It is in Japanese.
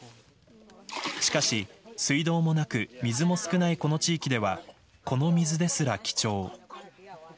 しかし、水道もなく水も少ないこの地域ではこの水ですら貴重。